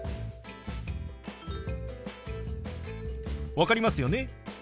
分かりますよね？